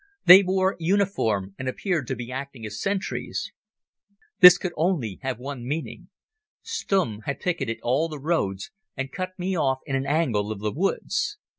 They wore uniform and appeared to be acting as sentries. This could only have one meaning. Stumm had picketed all the roads and cut me off in an angle of the woods.